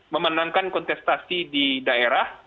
memenangkan kontestasi di daerah